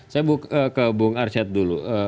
saya ke bung arsyad dulu